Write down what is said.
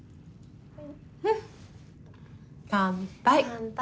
乾杯。